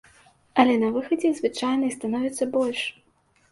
Але на выхадзе звычайна іх становіцца больш.